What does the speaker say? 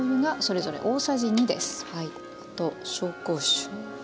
あと紹興酒。